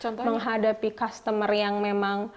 contoh menghadapi customer yang memang